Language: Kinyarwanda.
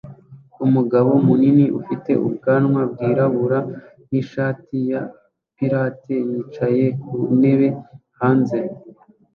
Umugabo munini ufite ubwanwa bwirabura nishati ya pirate yicaye ku ntebe hanze